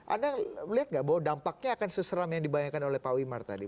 anda melihat nggak bahwa dampaknya akan seseram yang dibayangkan oleh pak wimar tadi